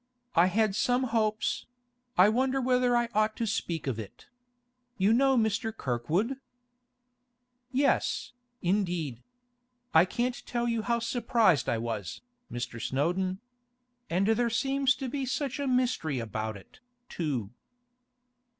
I had some hopes—I wonder whether I ought to speak of it? You know Mr. Kirkwood?' 'Yes, indeed. I can't tell you how surprised I was, Mr. Snowdon. And there seems to be such a mystery about it, too.